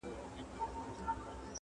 خو پاچا تېر له عالمه له پېغور وو٫